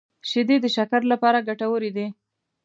شیدې د شکر لپاره ګټورې دي